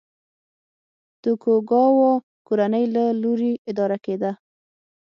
توکوګاوا کورنۍ له لوري اداره کېده.